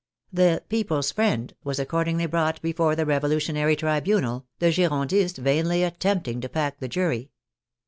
The People's Friend was accord ingly brought before the Revolutionary Tribunal, the Girondists vainly attempting to pack the jury.